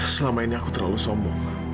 selama ini aku terlalu sombong